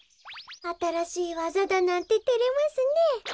あたらしいわざだなんててれますねえ。